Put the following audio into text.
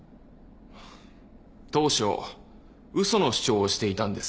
ハァ当初嘘の主張をしていたんです。